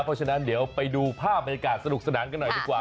เพราะฉะนั้นเดี๋ยวไปดูภาพบรรยากาศสนุกสนานกันหน่อยดีกว่า